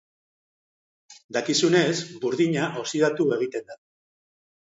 Dakizuenez, burdina oxidatu egiten da.